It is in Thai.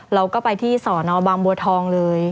เราก็ไปที่สอนอบางบัวทองเลย